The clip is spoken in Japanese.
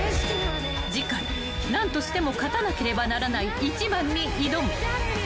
［次回何としても勝たなければならない一番に挑む］